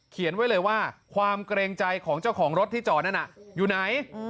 ไว้เลยว่าความเกรงใจของเจ้าของรถที่จอดนั่นน่ะอยู่ไหน